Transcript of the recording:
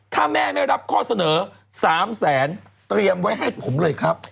ถ้าแม่ไม่รับข้อเสนอ๓แสนเตรียมไว้ให้ผมเลยครับ